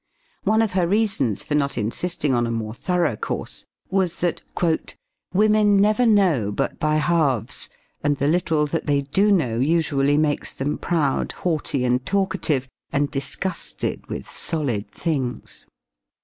One of her reasons for not insisting on a more thorough course was that "women never know but by halves, and the little that they do know usually makes them proud, haughty and talkative and disgusted with solid things."